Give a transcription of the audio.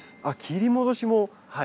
あっ切り戻しも。